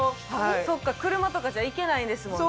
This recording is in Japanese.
そっか、車とかじゃ行けないんですもんね？